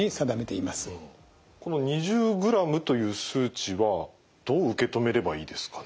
この２０グラムという数値はどう受け止めればいいですかね。